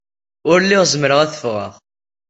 Ur lliɣ zemreɣ ad ffɣeɣ.